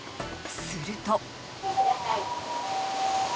すると。